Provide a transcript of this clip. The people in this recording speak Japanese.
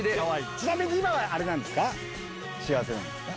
ちなみに今は幸せなんですか？